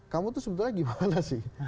kamu tuh sebetulnya gimana sih